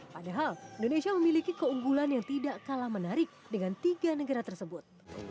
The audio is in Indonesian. padahal indonesia memiliki keunggulan yang tidak kalah menarik dengan tiga negara tersebut